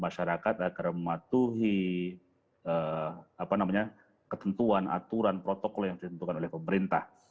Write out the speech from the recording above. masyarakat agar mematuhi ketentuan aturan protokol yang ditentukan oleh pemerintah